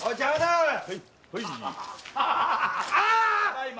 ただいま！